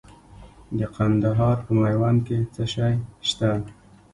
د کندهار په میوند کې څه شی شته؟